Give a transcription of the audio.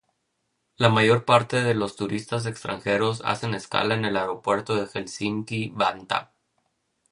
La mayor parte de los turistas extranjeros hacen escala en el aeropuerto de Helsinki-Vantaa.